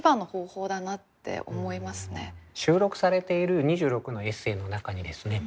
収録されている２６のエッセーの中にですね